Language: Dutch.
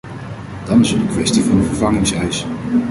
Dan is er de kwestie van de vervangingseis.